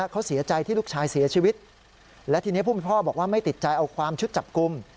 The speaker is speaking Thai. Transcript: เขาเสียใจที่ลูกชายเสียชีวิตและทีนี้ผู้เป็นพ่อบอกว่าไม่ติดใจเอาความชุดจับกลุ่ม